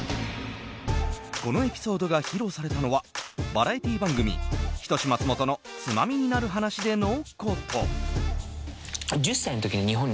このエピソードが披露されたのはバラエティー番組「人志松本のツマミになる話」でのこと。